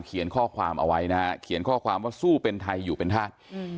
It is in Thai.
เขียนข้อความเอาไว้นะฮะเขียนข้อความว่าสู้เป็นไทยอยู่เป็นธาตุ